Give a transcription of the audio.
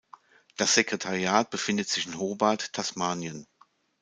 Das Sekretariat befindet sich in Hobart, Tasmanien.